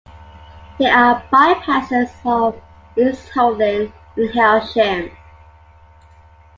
There are bypasses of East Hoathly and Hailsham.